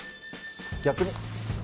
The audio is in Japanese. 逆に。